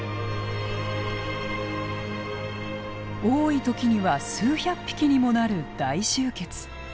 多い時には数百匹にもなる大集結。